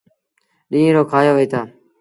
ڏيٚݩهݩ رو کآيو وهيٚتآ۔